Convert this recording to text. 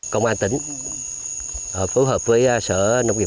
công an tỉnh phối hợp với sở nông nghiệp